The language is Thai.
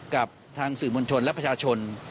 กับทางสื่อมวลชนและประชาชน